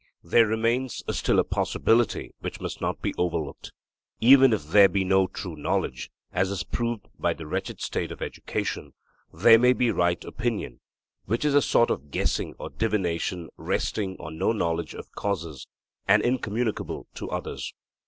There remains still a possibility which must not be overlooked. Even if there be no true knowledge, as is proved by 'the wretched state of education,' there may be right opinion, which is a sort of guessing or divination resting on no knowledge of causes, and incommunicable to others.